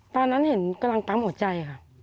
ตอนนั้นเห็นกำลังปั๊มหัวใจค่ะ